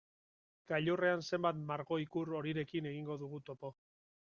Gailurrean zenbait margo-ikur horirekin egingo dugu topo.